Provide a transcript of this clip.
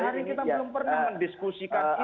sampai hari ini kita belum pernah mendiskusikan ini